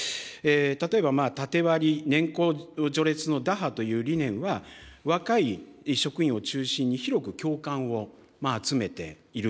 例えば縦割り、年功序列の打破という理念は、若い職員を中心に広く共感を集めている。